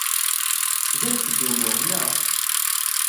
Tgamt-d umuɣ, naɣ?